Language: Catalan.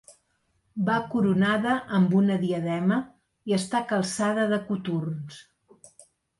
Va coronada amb una diadema i està calçada de coturns.